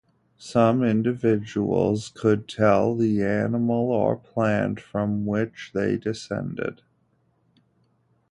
Some individuals could tell the animal or plant from which they descended.